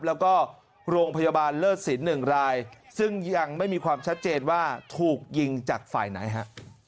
แล้วก็โรงพยาบาลเลิศสิน๑รายซึ่งยังไม่มีความชัดเจนว่าถูกยิงจากฝ่ายไหนฮะ